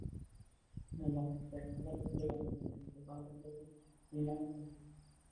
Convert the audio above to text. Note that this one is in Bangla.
সাধারণত এনালগ সেলুলার মোবাইল যোগাযোগ ব্যবস্থা এই নামে পরিচিত।